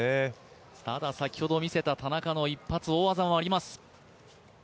ただ先ほど見せた田中の一発、大技もあります。